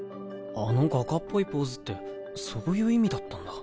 あの画家っぽいポーズってそういう意味だったんだ。